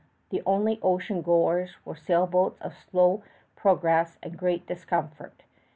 The only ocean goers were sailboats of slow progress and great discomfort.